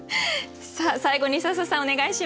さあ最後に笹さんお願いします。